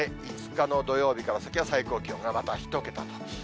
５日の土曜日から先は最高気温がまた１桁と。